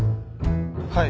はい。